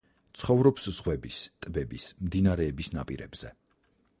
ცხოვრობს ზღვების, ტბების, მდინარეების ნაპირებზე.